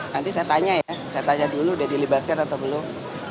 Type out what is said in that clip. nanti saya tanya ya saya tanya dulu udah dilibatkan atau belum